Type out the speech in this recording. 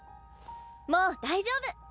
もう大丈夫！